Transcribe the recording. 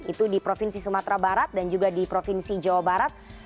itu di provinsi sumatera barat dan juga di provinsi jawa barat